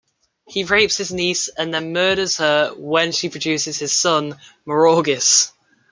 He rapes his niece and then murders her when she produces his son, Meraugis.